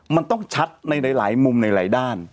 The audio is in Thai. มันต้องชัดในหลายมุมในหลายด้าน